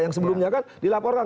yang sebelumnya kan dilaporkan